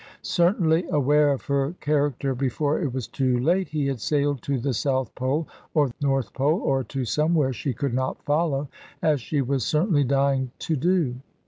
Certainly, aware of her character before it was too late, he had sailed to the South Pole or the North Pole, or to somewhere she could not follow, as she was certainly dying to do.